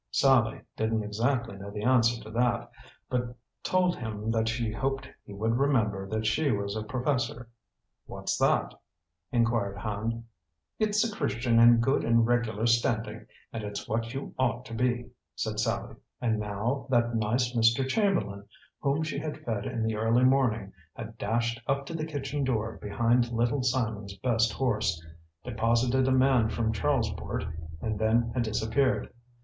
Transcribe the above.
Sallie didn't exactly know the answer to that, but told him that she hoped he would remember that she was a professor. "What's that?" inquired Hand. "It's a Christian in good and regular standing, and it's what you ought to be," said Sallie. And now that nice Mr. Chamberlain, whom she had fed in the early morning, had dashed up to the kitchen door behind Little Simon's best horse, deposited a man from Charlesport, and then had disappeared.